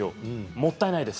もったいないです。